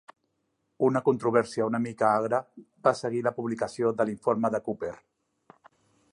Una controvèrsia una mica agre va seguir la publicació de l'informe de Cooper.